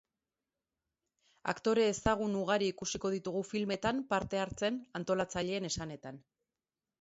Aktore ezagun ugari ikusiko ditugu filmetan parte hartzen antolatzaileen esanetan.